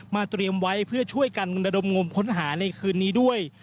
เตรียมไว้เพื่อช่วยกันระดมงมค้นหาในคืนนี้ด้วย